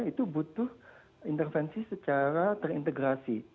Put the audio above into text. itu butuh intervensi secara terintegrasi